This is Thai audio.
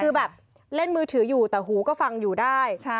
คือแบบเล่นมือถืออยู่แต่หูก็ฟังอยู่ได้